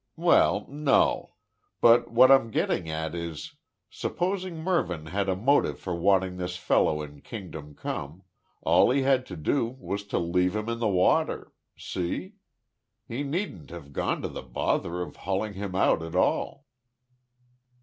"Well, no. But what I'm getting at is supposing Mervyn had a motive for wanting this fellow in Kingdom Come, all he had to do was to leave him in the water. See? He needn't have gone to the bother of hauling him out at all."